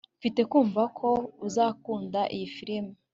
Mfite kumva ko uzakunda iyi firime